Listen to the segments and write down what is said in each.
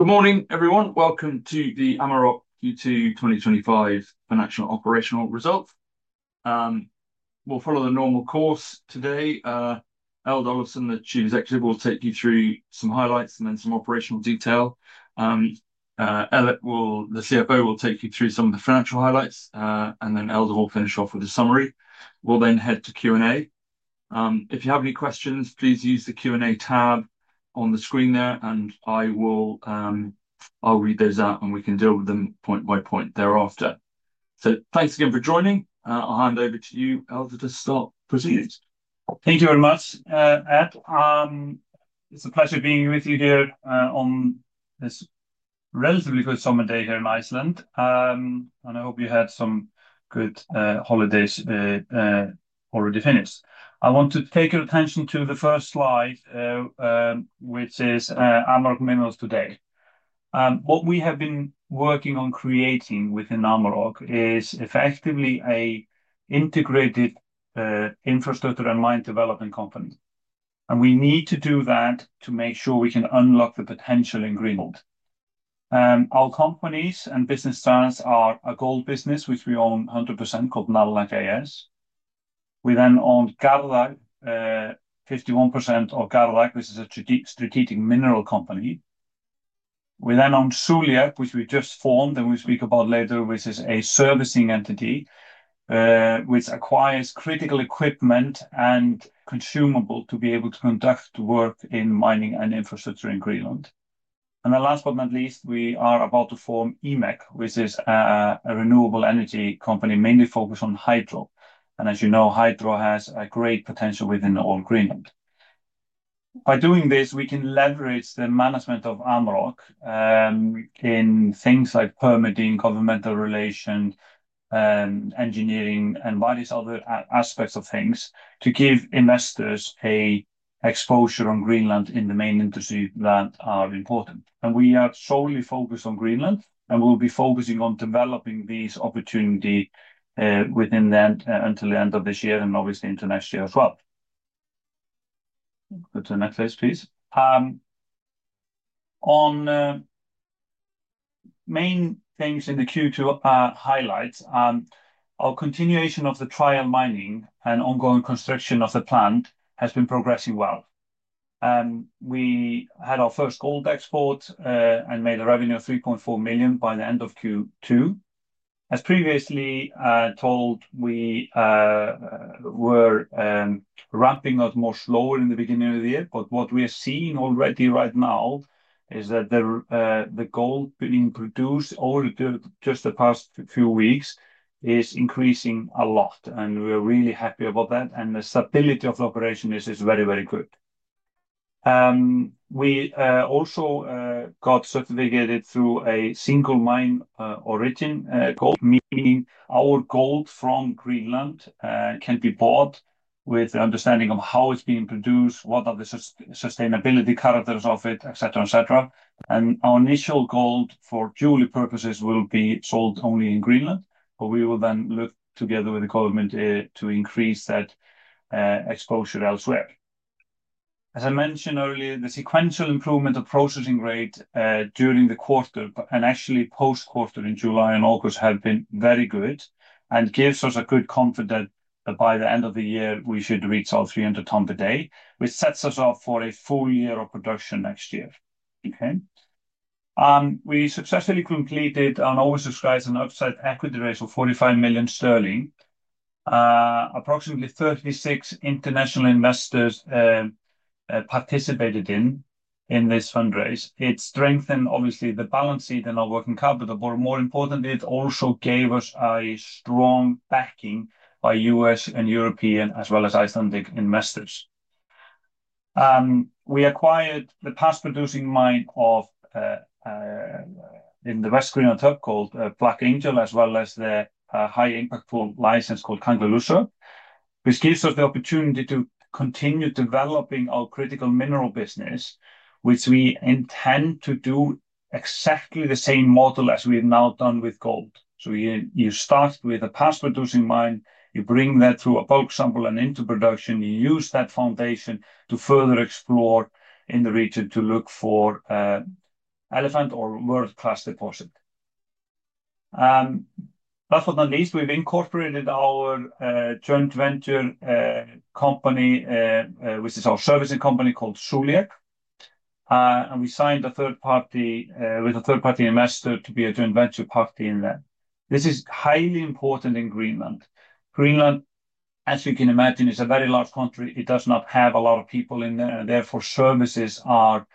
Good morning, everyone. Welcome to the Amaroq Q2 2025 Financial Operational Results. We'll follow the normal course today. Eldur, some of the Chief Executives, will take you through some highlights and then some operational detail. Ellert, the CFO, will take you through some of the financial highlights, and then Eldur will finish off with a summary. We'll then head to Q&A. If you have any questions, please use the Q&A tab on the screen there, and I will read those out and we can deal with them point by point thereafter. Thanks again for joining. I'll hand over to you, Eldur, to start proceeding. Thank you very much, Ed. It's a pleasure being with you there, on this relatively good summer day here in Iceland. I hope you had some good holidays, already finished. I want to take your attention to the first slide, which is Amaroq Minerals. Today, what we have been working on creating within Amaroq is effectively an integrated infrastructure and mine development company. We need to do that to make sure we can unlock the potential in Greenland. Our companies and business styles are a gold business, which we own 100% called Nalunaq A/S. We then own Gardaq, 51% of Gardaq. This is a strategic mineral company. We then own Suliaq, which we just formed and we'll speak about later, which is a servicing entity, which acquires critical equipment and consumables to be able to conduct the work in mining and infrastructure in Greenland. Last but not least, we are about to form EMEC, which is a renewable energy company mainly focused on hydropower. As you know, hydropower has a great potential within all Greenland. By doing this, we can leverage the management of Amaroq in things like permitting, governmental relations, engineering, and various other aspects of things to give investors exposure on Greenland in the main industries that are important. We are solely focused on Greenland, and we'll be focusing on developing these opportunities until the end of this year and obviously into next year as well. Go to the next slide, please. On main things in the Q2 highlights, our continuation of the trial mining and ongoing construction of the plant has been progressing well. We had our first gold export, and made a revenue of $3.4 million by the end of Q2. As previously told, we were ramping up more slower in the beginning of the year, but what we are seeing already right now is that the gold being produced over just the past few weeks is increasing a lot, and we're really happy about that. The stability of the operation is very, very good. We also got certificated through a single mine origin code, meaning our gold from Greenland can be bought with the understanding of how it's being produced, what are the sustainability characters of it, etc. Our initial gold for jewelry purposes will be sold only in Greenland, but we will then look together with the government to increase that exposure elsewhere. As I mentioned earlier, the sequential improvement of processing rate during the quarter and actually post-quarter in July and August have been very good and gives us a good comfort that by the end of the year, we should reach our 300-ton per day, which sets us up for a full year of production next year. We successfully completed an oversubscribed and upside equity raise of 45 million sterling. Approximately 36 international investors participated in this fundraise. It strengthened, obviously, the balance sheet and our working capital, but more importantly, it also gave us a strong backing by U.S. and European, as well as Icelandic investors. We acquired the past producing mine of Black Angel in West Greenland, as well as the high-impact form license called Kangerluarsuk, which gives us the opportunity to continue developing our critical mineral business, which we intend to do exactly the same model as we've now done with gold. You start with a past producing mine, you bring that through a bulk sample and into production, you use that foundation to further explore in the region to look for elephant or world-class deposit. Last but not least, we've incorporated our joint venture company, which is our servicing company called Suliaq, and we signed with a third-party investor to be a joint venture party in that. This is highly important in Greenland. Greenland, as you can imagine, is a very large country. It does not have a lot of people in there, and therefore, services are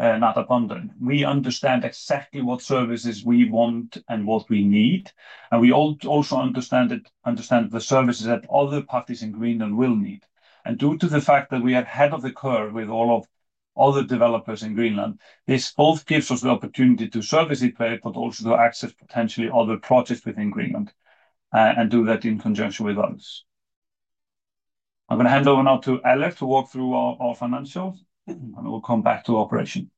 not abundant. We understand exactly what services we want and what we need. We also understand the services that other parties in Greenland will need. Due to the fact that we are ahead of the curve with all of other developers in Greenland, this both gives us the opportunity to service Greenland, but also to access potentially other projects within Greenland, and do that in conjunction with others. I'm going to hand over now to Ellert to walk through our financials, and we'll come back to operation.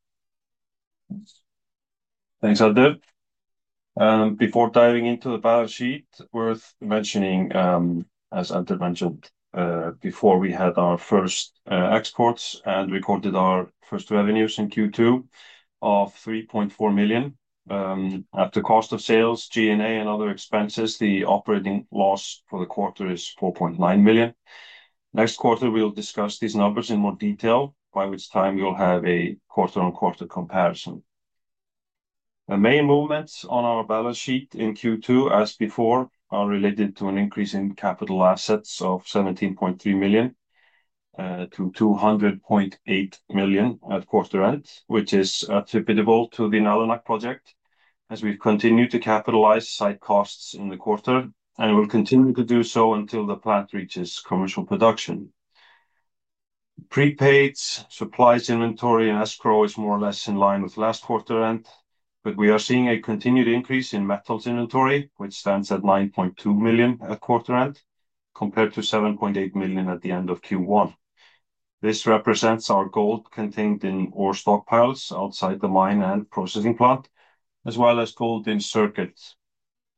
Thanks, Eldur. Before diving into the balance sheet, worth mentioning, as Eldur mentioned, before we had our first exports and recorded our first revenues in Q2 of $3.4 million. At the cost of sales, G&A, and other expenses, the operating loss for the quarter is $4.9 million. Next quarter, we'll discuss these numbers in more detail, by which time we'll have a quarter-on-quarter comparison. The main movements on our balance sheet in Q2, as before, are related to an increase in capital assets of $17.3 million, to $200.8 million at quarter end, which is attributable to the Nalunaq Project, as we've continued to capitalize site costs in the quarter and will continue to do so until the plant reaches commercial production. Prepaids, supplies, inventory, and escrow are more or less in line with last quarter end, but we are seeing a continued increase in metals inventory, which stands at $9.2 million at quarter end compared to $7.8 million at the end of Q1. This represents our gold contained in ore stockpiles outside the mine and processing plant, as well as gold in circuits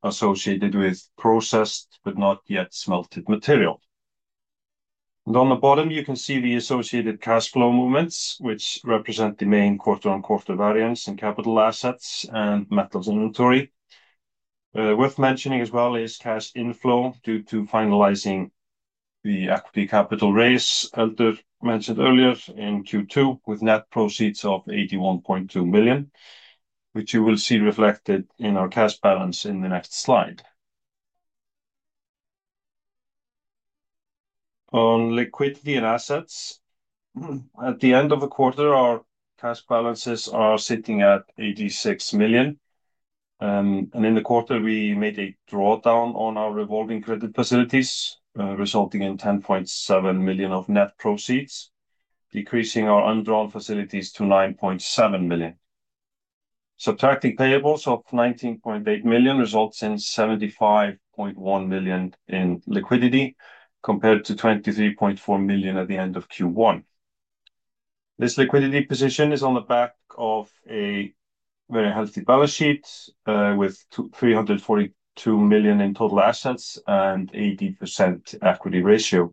associated with processed but not yet smelted material. On the bottom, you can see the associated cash flow movements, which represent the main quarter-on-quarter variance in capital assets and metals inventory. Worth mentioning as well is cash inflow due to finalizing the equity capital raise Eldur mentioned earlier in Q2 with net proceeds of $81.2 million, which you will see reflected in our cash balance in the next slide. On liquidity and assets, at the end of the quarter, our cash balances are sitting at $86 million. In the quarter, we made a drawdown on our revolving credit facilities, resulting in $10.7 million of net proceeds, decreasing our overall facilities to $9.7 million. Subtracting payables of $19.8 million results in $75.1 million in liquidity compared to $23.4 million at the end of Q1. This liquidity position is on the back of a very healthy balance sheet with $342 million in total assets and an 80% equity ratio.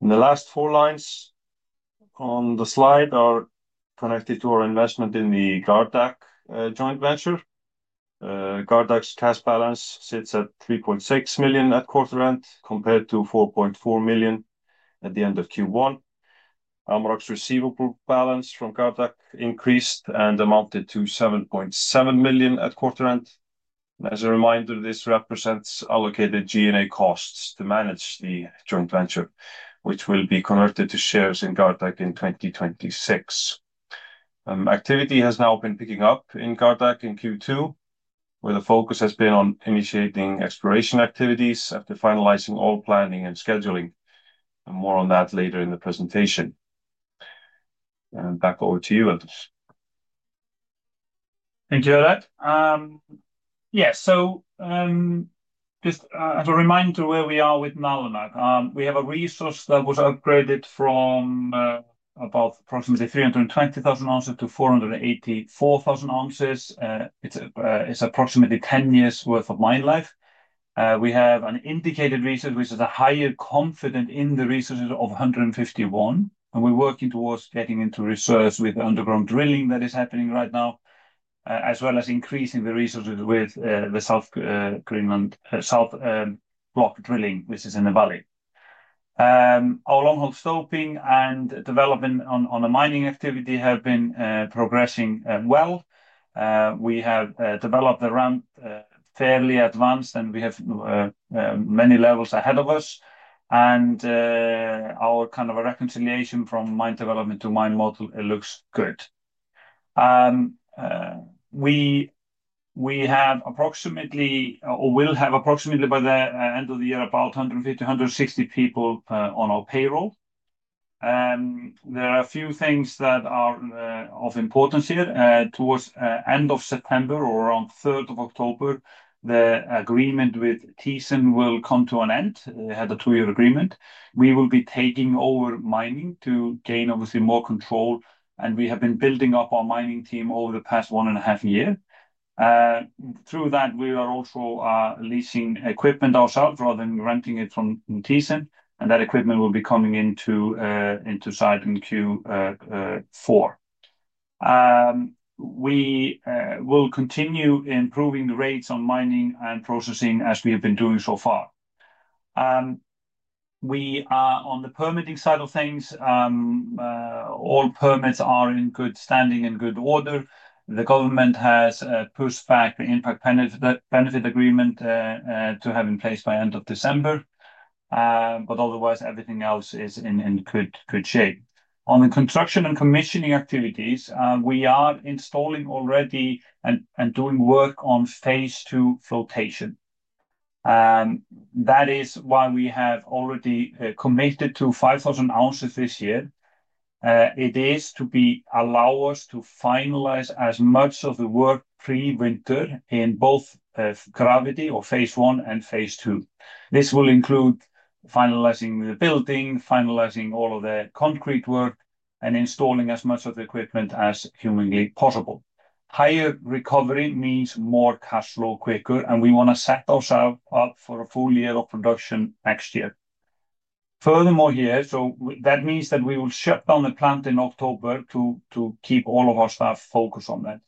The last four lines on the slide are connected to our investment in the Gardaq joint venture. Gardaq's cash balance sits at $3.6 million at quarter end compared to $4.4 million at the end of Q1. Amaroq's receivable balance from Gardaq increased and amounted to $7.7 million at quarter end. As a reminder, this represents allocated G&A costs to manage the joint venture, which will be converted to shares in Gardaq in 2026. Activity has now been picking up in Gardaq in Q2, where the focus has been on initiating exploration activities after finalizing all planning and scheduling. More on that later in the presentation. Back over to you, Eldur. Thank you, Ellert. Yeah, so just as a reminder where we are with Nalunaq, we have a resource that was upgraded from approximately 320,000 oz-484,000 oz. It's approximately 10 years' worth of mine life. We have an indicated resource, which is a higher confidence in the resources, of 151, and we're working towards getting into resource with the underground drilling that is happening right now, as well as increasing the resources with the South Greenland block drilling, which is in the valley. Our long-haul scoping and development on the mining activity have been progressing well. We have developed the run fairly advanced, and we have many levels ahead of us. Our kind of a reconciliation from mine development to mine model looks good. We had approximately, or will have approximately by the end of the year, about 150-160 people on our payroll. There are a few things that are of importance here. Towards the end of September or around the 3rd of October, the agreement with Thyssen will come to an end. It had a two-year agreement. We will be taking over mining to gain, obviously, more control. We have been building up our mining team over the past one and a half years. Through that, we are also leasing equipment ourselves rather than renting it from Thyssen, and that equipment will be coming into site in Q4. We will continue improving the rates on mining and processing as we have been doing so far. We are on the permitting side of things. All permits are in good standing and good order. The government has pushed back the impact benefit agreement to have in place by the end of December. Otherwise, everything else is in good shape. On the construction and commissioning activities, we are installing already and doing work on phase II flotation. That is why we have already committed to 5,000 oz this year. It is to allow us to finalize as much of the work pre-winter in both gravity or phase I and phase II. This will include finalizing the building, finalizing all of the concrete work, and installing as much of the equipment as humanly possible. Higher recovery means more cash flow quicker, and we want to set ourselves up for a full year of production next year. Furthermore here, that means that we will shut down the plant in October to keep all of our staff focused on that.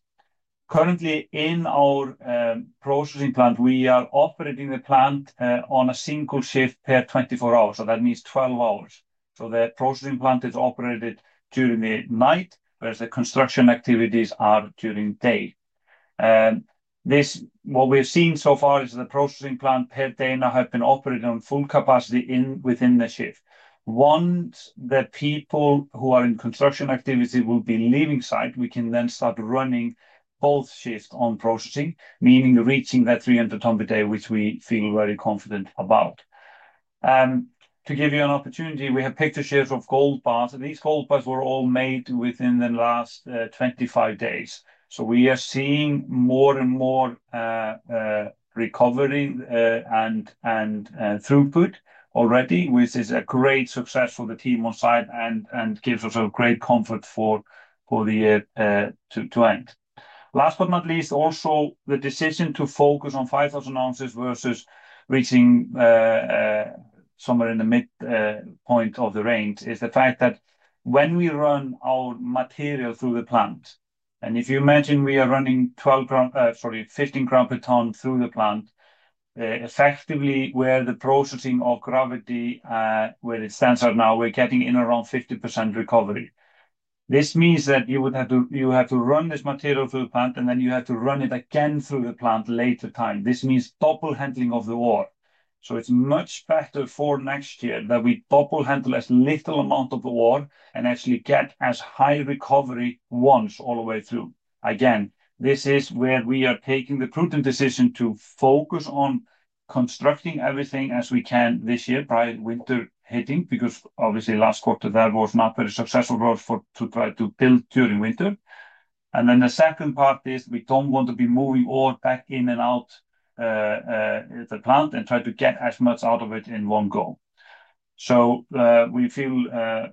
Currently, in our processing plant, we are operating the plant on a single shift per 24 hours, so that means 12 hours. The processing plant is operated during the night, whereas the construction activities are during the day. What we've seen so far is that the processing plant per day now has been operated on full capacity within the shift. Once the people who are in construction activity will be leaving site, we can then start running both shifts on processing, meaning reaching that 300 ton per day, which we feel very confident about. To give you an opportunity, we have picture shares of gold bars. These gold bars were all made within the last 25 days. We are seeing more and more recovery and throughput already, which is a great success for the team on site and gives us a great comfort for the year to end. Last but not least, also the decision to focus on 5,000 oz versus reaching somewhere in the midpoint of the range is the fact that when we run our material through the plant, and if you imagine we are running 12 gr, sorry, 15 gr per ton through the plant, effectively where the processing or gravity, where it stands out now, we're getting in around 50% recovery. This means that you would have to run this material through the plant, and then you have to run it again through the plant at a later time. This means double handling of the ore. It is much better for next year that we double handle as little amount of the ore and actually get as high recovery once all the way through. Again, this is where we are taking the prudent decision to focus on constructing everything as we can this year prior to winter hitting, because obviously last quarter that was not very successful for us to try to build during winter. The second part is we don't want to be moving ore back in and out the plant and try to get as much out of it in one go. We feel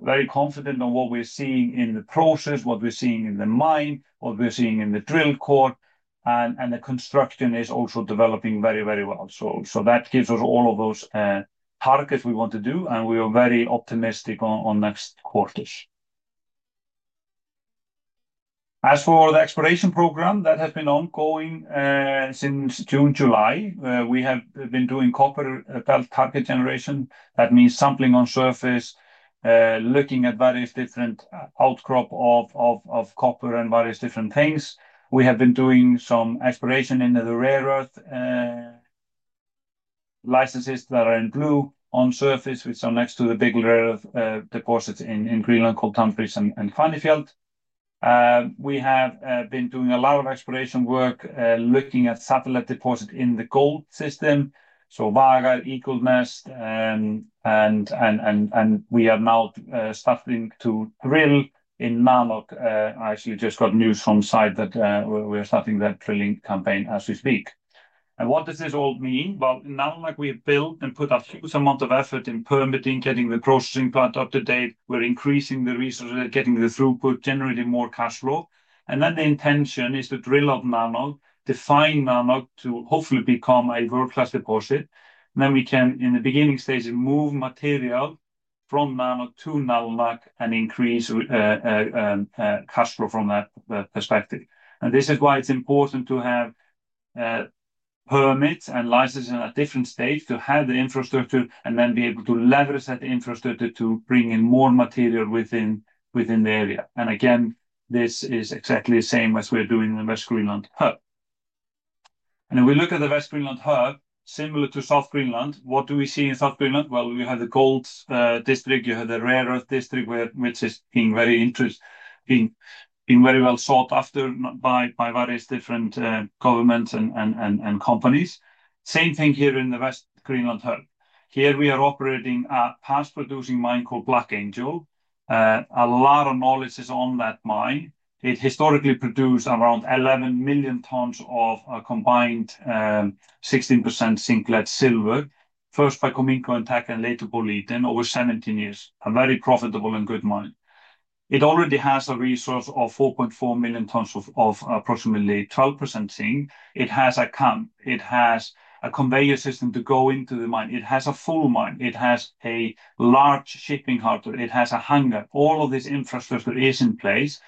very confident on what we're seeing in the process, what we're seeing in the mine, what we're seeing in the drill core, and the construction is also developing very, very well. That gives us all of those targets we want to do, and we are very optimistic on next quarters. As for the exploration program that has been ongoing since June, July, we have been doing copper felt target generation. That means sampling on surface, looking at various different outcrops of copper and various different things. We have been doing some exploration in the rare earth licenses that are in blue on surface with some next to the big rare earth deposits in Greenland called Tanbreez and Kvanefjeld. We have been doing a lot of exploration work looking at satellite deposits in the gold system. Vagar, Eagle Nest, and we are now starting to drill in Nalunaq. I actually just got news from site that we are starting that drilling campaign as we speak. What does this all mean? In Nalunaq, we have built and put a huge amount of effort in permitting, getting the processing plant up to date. We're increasing the resources, getting the throughput, generating more cash flow. The intention is to drill up Nalunaq, define Nalunaq to hopefully become a world-class deposit. In the beginning stages, we can move material from Nalunaq to Nalunaq and increase cash flow from that perspective. This is why it's important to have permits and licenses at a different stage to have the infrastructure and then be able to leverage that infrastructure to bring in more material within the area. This is exactly the same as we're doing in the West Greenland Hub. If we look at the West Greenland Hub, similar to South Greenland, what do we see in South Greenland? We have the gold district. You have the rare earth district, which is being very interesting, being very well sought after by various different governments and companies. Same thing here in the West Greenland Hub. Here we are operating a past producing mine called Black Angel. A lot of knowledge is on that mine. It historically produced around 11 million tons of a combined 16% zinc lead silver, first by Cominco and Teck and later Boliden, over 17 years. A very profitable and good mine. It already has a resource of 4.4 million tons of approximately 12% zinc. It has a camp. It has a conveyor system to go into the mine. It has a full mine. It has a large shipping harbor. It has a hangar. All of this infrastructure is in place.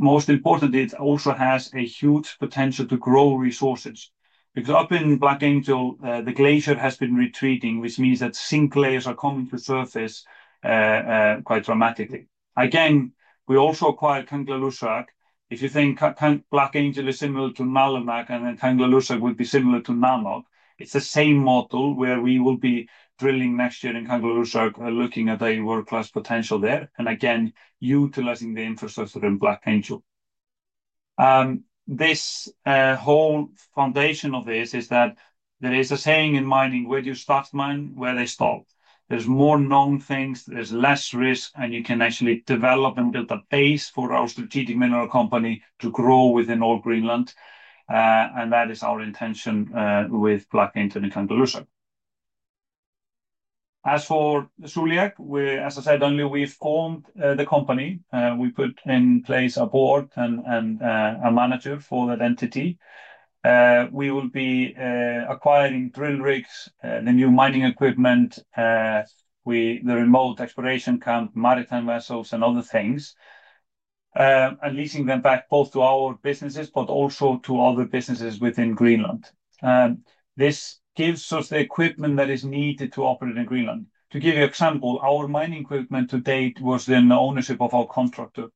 Most importantly, it also has a huge potential to grow resources. Up in Black Angel, the glacier has been retreating, which means that zinc layers are coming to surface quite dramatically. We also acquired Kangerluarsuk. If you think Black Angel is similar to Nalunaq and then Kangerluarsuk would be similar to Nalunaq, it's the same model where we will be drilling next year in Kangerluarsuk, looking at the world-class potential there, and again utilizing the infrastructure in Black Angel. The whole foundation of this is that there is a saying in mining, where do you start mine, where they stop. There's more known things, there's less risk, and you can actually develop and build a base for our strategic mineral company to grow within all Greenland. That is our intention with Black Angel and Kangerluarsuk. As for Suliaq, as I said, we've formed the company. We put in place a board and a manager for that entity. We will be acquiring drill rigs, new mining equipment, the remote exploration camp, maritime vessels, and other things, and leasing them back both to our businesses but also to other businesses within Greenland. This gives us the equipment that is needed to operate in Greenland. To give you an example, our mining equipment to date was in the ownership of our contractor.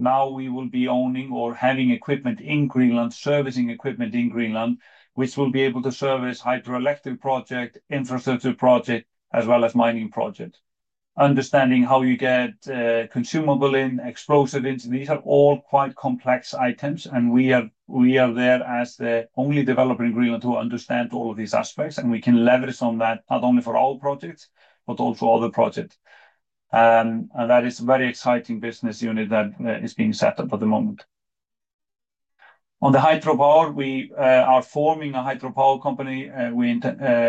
Now we will be owning or having equipment in Greenland, servicing equipment in Greenland, which will be able to service hydroelectric projects, infrastructure projects, as well as mining projects. Understanding how you get consumables in, explosives in, these are all quite complex items, and we are there as the only developer in Greenland to understand all of these aspects, and we can leverage on that not only for our projects but also other projects. That is a very exciting business unit that is being set up at the moment. On the hydropower, we are forming a hydropower company,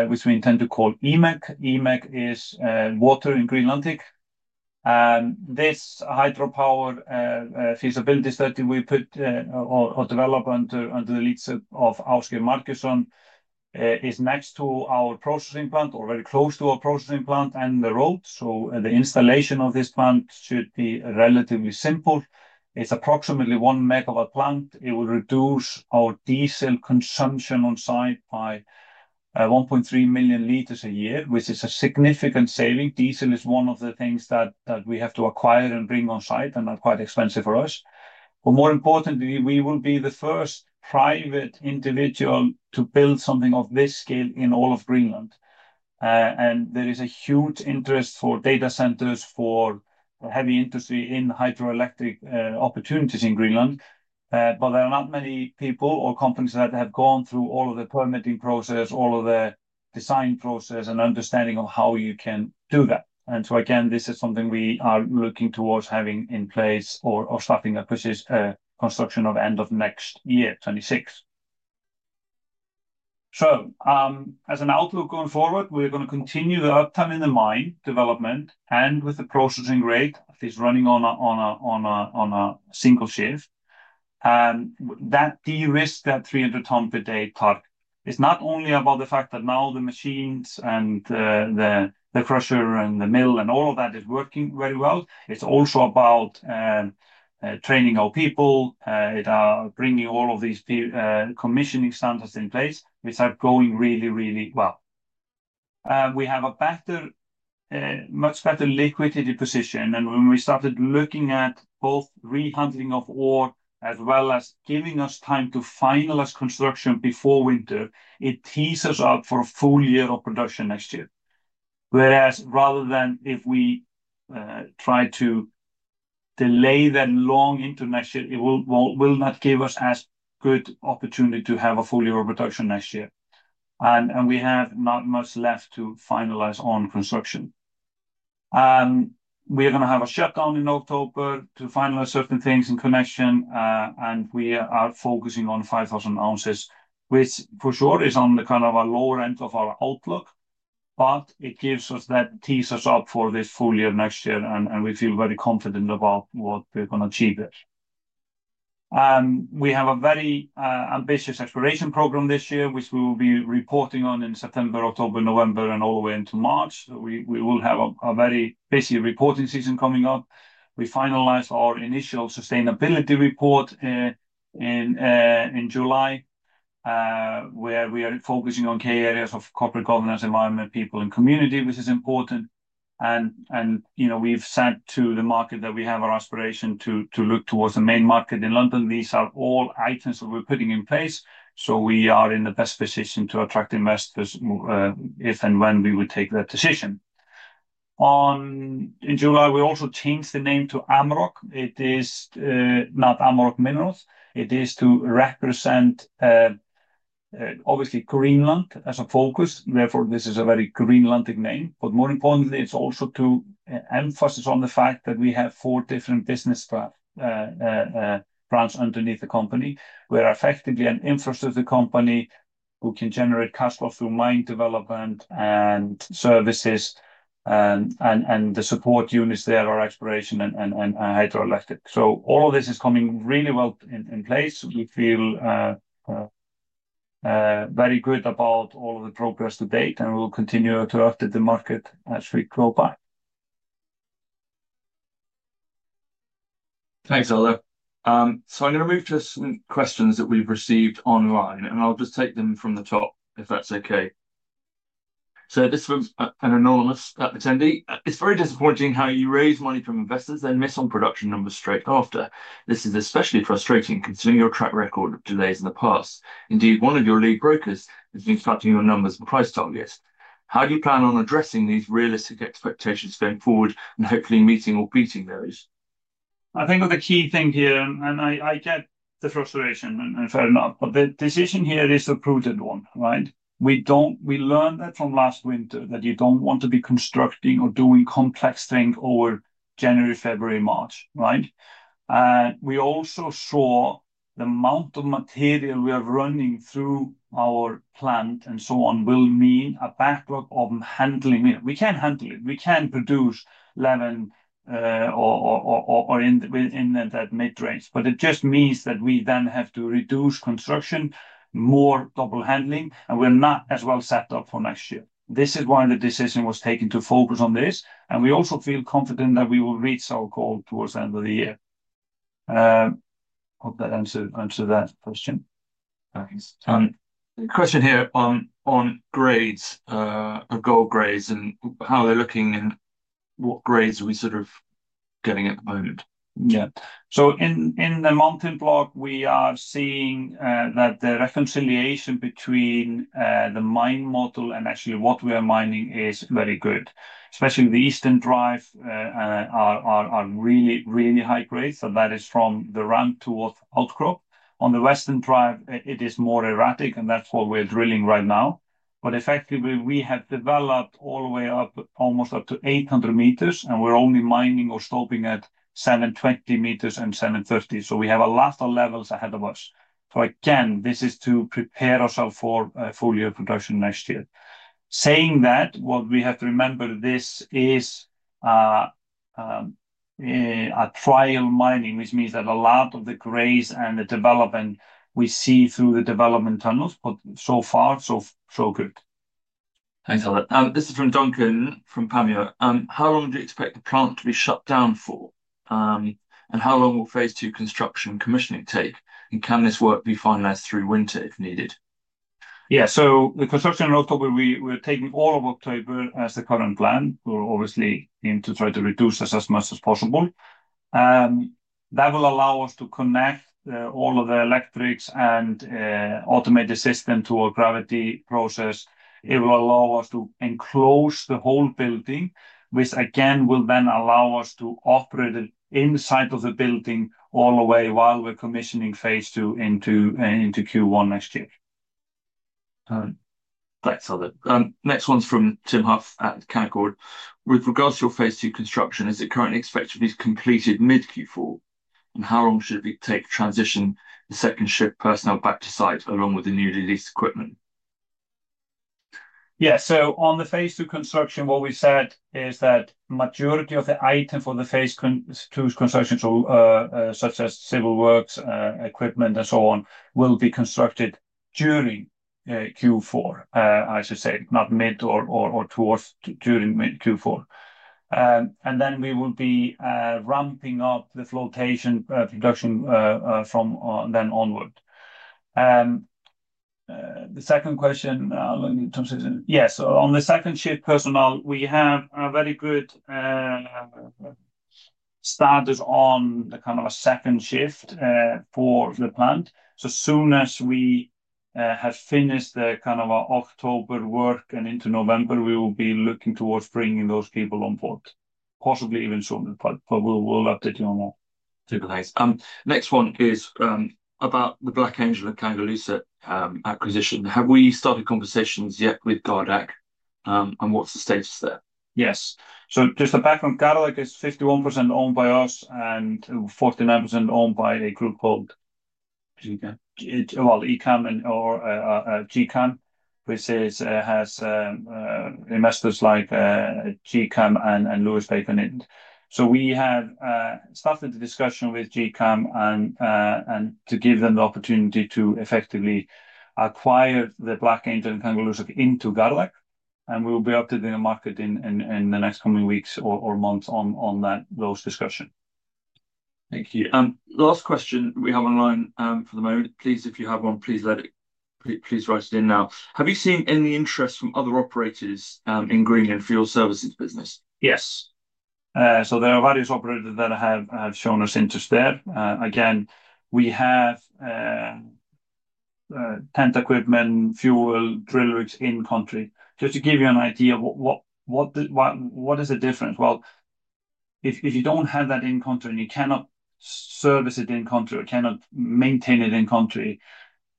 which we intend to call EMEC. EMEC is Water in Greenland. This hydropower feasibility study we put or developed under the leadership of Oskar Markusson is next to our processing plant, or very close to our processing plant, and the road. The installation of this plant should be relatively simple. It's approximately one megawatt plant. It will reduce our diesel consumption on site by 1.3 million liters a year, which is a significant saving. Diesel is one of the things that we have to acquire and bring on site and is quite expensive for us. More importantly, we will be the first private individual to build something of this scale in all of Greenland. There is a huge interest for data centers, for heavy industry in hydroelectric opportunities in Greenland. There are not many people or companies that have gone through all of the permitting process, all of the design process, and understanding of how you can do that. This is something we are looking towards having in place or starting construction of end of next year, 2026. As an outlook going forward, we are going to continue the uptime in the mine development and with the processing rate that is running on a single shift. That de-risk, that 300-ton per day part is not only about the fact that now the machines and the crusher and the mill and all of that is working very well. It's also about training our people. It's bringing all of these commissioning standards in place, which are going really, really well. We have a better, much better liquidity position. When we started looking at both re-handling of ore, as well as giving us time to finalize construction before winter, it tees us up for a full year of production next year. Rather than if we try to delay that long into next year, it will not give us as good opportunity to have a full year of production next year. We have not much left to finalize on construction. We are going to have a shutdown in October to finalize certain things in connection, and we are focusing on 5,000 ounces, which for sure is on the kind of a lower end of our outlook. It gives us that tees us up for this full year next year, and we feel very confident about what we're going to achieve there. We have a very ambitious exploration program this year, which we will be reporting on in September, October, November, and all the way into March. We will have a very busy reporting season coming up. We finalized our initial sustainability report in July, where we are focusing on key areas of corporate governance, environment, people, and community, which is important. We've said to the market that we have our aspiration to look towards the main market in London. These are all items that we're putting in place. We are in the best position to attract investors if and when we would take that decision. In July, we also changed the name to Amaroq. It is not Amaroq Minerals. It is to represent, obviously, Greenland as a focus. Therefore, this is a very Greenlandic name. More importantly, it's also to emphasize on the fact that we have four different business plants underneath the company. We are effectively an infrastructure company who can generate cash flow through mine development and services and the support units there are exploration and hydroelectric. All of this is coming really well in place. We feel very good about all of the progress to date, and we'll continue to update the market as we grow by. Thanks, Eldur. I'm going to move to some questions that we've received online, and I'll just take them from the top if that's okay. This is from an anonymous attendee. It's very disappointing how you raise money from investors then miss on production numbers straight after. This is especially frustrating considering your track record of delays in the past. Indeed, one of your lead brokers has been tracking your numbers and price targets. How do you plan on addressing these realistic expectations going forward and hopefully meeting or beating those? I think the key thing here, and I get the frustration, and I've heard a lot, but the decision here is a prudent one, right? We learned that from last winter that you don't want to be constructing or doing complex things over January, February, March, right? We also saw the amount of material we have running through our plant and so on will mean a backlog of handling. We can't handle it. We can't produce lemon or in that mid range, but it just means that we then have to reduce construction, more double handling, and we're not as well set up for next year. This is why the decision was taken to focus on this, and we also feel confident that we will reach our goal towards the end of the year. Hope that answered that question. Thanks. A question here on grades or gold grades and how they're looking, and what grades are we sort of getting at the moment? Yeah. In the mountain block, we are seeing that the reconciliation between the mine model and actually what we are mining is very good. Especially in the eastern drive, our really, really high grades, that is from the ramp towards outcrop. On the western drive, it is more erratic, and that's what we're drilling right now. Effectively, we have developed all the way up almost up to 800 meters, and we're only mining or scoping at 720 meters and 730. We have a lot of levels ahead of us. This is to prepare ourselves for a full year of production next year. Saying that, what we have to remember, this is a trial mining, which means that a lot of the grades and the development we see through the development tunnels, but so far, so good. Thanks, Eldur. This is from Duncan from Panmure. How long do you expect the plant to be shut down for? How long will phase II construction commissioning take? Can this work be finalized through winter if needed? Yeah, so the construction in October, we're taking all of October as the current plan. We're obviously trying to reduce this as much as possible. That will allow us to connect all of the electrics and automate the system to a gravity process. It will allow us to enclose the whole building, which again will then allow us to operate it inside of the building all the way while we're commissioning phase II into Q1 next year. Thanks, Eldur. Next one's from Tim Huff at Canaccord. With regards to your phase II construction, is it currently expected to be completed mid-Q4? How long should it take to transition the second shift personnel back to site along with the newly leased equipment? On the phase II construction, what we said is that the majority of the items for the phase II construction, such as civil works, equipment, and so on, will be constructed during Q4, I should say, not mid or towards during Q4. We will be ramping up the flotation production from then onward. The second question, yes, on the second shift personnel, we have a very good status on the kind of a second shift for the plant. As soon as we have finished the kind of October work and into November, we will be looking towards bringing those people on board, possibly even sooner, but we'll update you on that. Super nice. Next one is about the Black Angel and Kangerluarsuk acquisition. Have we started conversations yet with Gardaq, and what's the status there? Yes, so just a background, Gardaq is 51% owned by us and 49% owned by a group called GCAM, which has investors like GCAM and Louis Papenit. We have started the discussion with GCAM to give them the opportunity to effectively acquire the Black Angel mine and Kangerluarsuk into Gardaq. We'll be up to the market in the next coming weeks or months on those discussions. Thank you. Last question we have online for the moment. Please, if you have one, please write it in now. Have you seen any interest from other operators in Greenland for your services business? Yes, so there are various operators that have shown us interest there. Again, we have tent equipment, fuel, drill rigs in country. Just to give you an idea, what is the difference? If you don't have that in country and you cannot service it in country or cannot maintain it in country,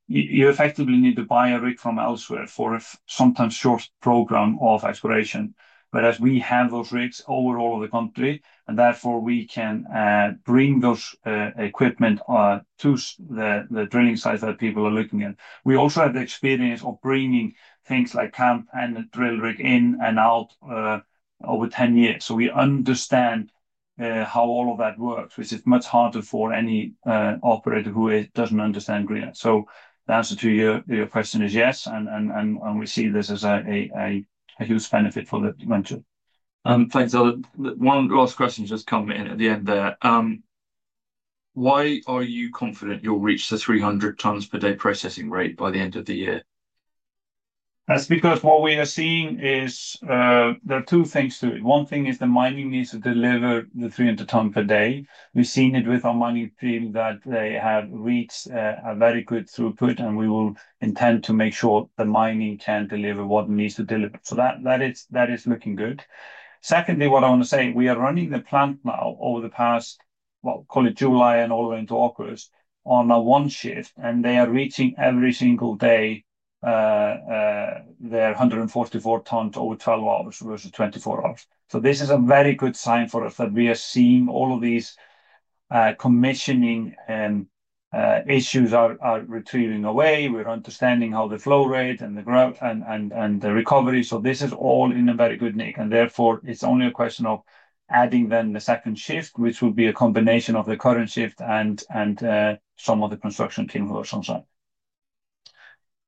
you effectively need to buy a rig from elsewhere for a sometimes short program of exploration. We have those rigs over all of the country, and therefore we can bring those equipment to the drilling sites that people are looking at. We also have the experience of bringing things like plant and drill rig in and out over 10 years. We understand how all of that works, which is much harder for any operator who doesn't understand Greenland. The answer to your question is yes, and we see this as a huge benefit for the country. Thanks, Eldur. One last question has just come in at the end there. Why are you confident you'll reach the 300 tons per day processing rate by the end of the year? That's because what we are seeing is there are two things to it. One thing is the mining needs to deliver the 300 tons per day. We've seen it with our mining team that they have reached a very good throughput, and we will intend to make sure the mining can deliver what it needs to deliver. That is looking good. Secondly, what I want to say, we are running the plant now over the past July and all the way into August, on a one shift, and they are reaching every single day their 144 tons over 12 hours versus 24 hours. This is a very good sign for us that we are seeing all of these commissioning issues are retreating away. We're understanding how the flow rate and the recovery. This is all in a very good nick, and therefore it's only a question of adding then the second shift, which would be a combination of the current shift and some of the construction team who are on site.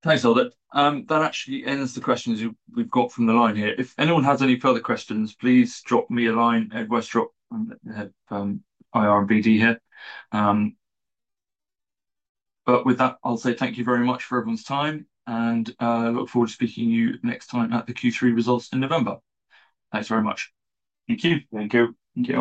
Thanks, Eldur. That actually ends the questions we've got from the line here. If anyone has any further questions, please drop me a line at IRBD. With that, I'll say thank you very much for everyone's time, and I look forward to speaking to you next time at the Q3 results in November. Thanks very much. Thank you. Thank you. Thank you.